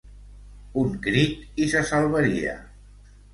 Un crit i se salvaria.